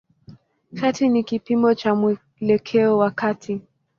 Kati ni kipimo cha mwelekeo wa kati.